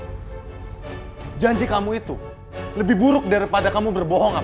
eh janji kamu itu lebih buruk daripada kamu berbohong apa